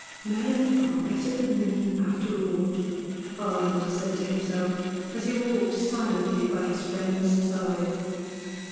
" Men are better than women, after all," Arnold said to himself, as he walked silently by his friend's side.